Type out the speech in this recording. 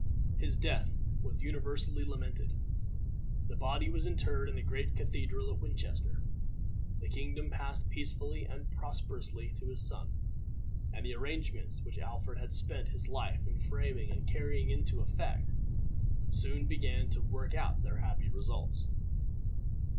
His death was universally lamented. The body was interred in the great cathedral at Winchester. The kingdom passed peacefully and prosperously to his son, and the arrangements which Alfred had spent his life in framing and carrying into effect, soon began to work out their happy results.